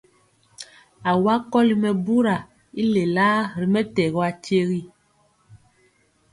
Awa kɔli mɛbura i lelaa ri mɛtɛgɔ akyegi.